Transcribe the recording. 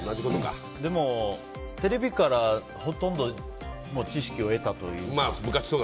でも、テレビからほとんど知識を得たというか。